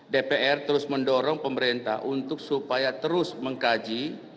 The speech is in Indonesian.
dpr terus mendorong pemerintah untuk supaya terus mengkaji